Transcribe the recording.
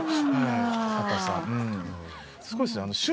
すごいっすね。